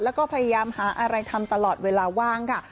แล้วก็พยายามหาอะไรทำตลอดเวลาว่างค่ะ